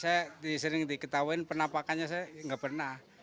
saya disering diketahuin penampakannya saya gak pernah